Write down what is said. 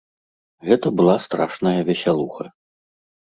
Гэта была страшная весялуха.